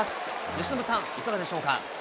由伸さん、いかがでしょうか。